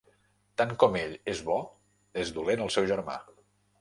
Tant com ell és bo, és dolent el seu germà.